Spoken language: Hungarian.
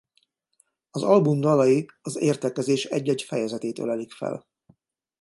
Az album dalai az értekezés egy-egy fejezetét ölelik fel.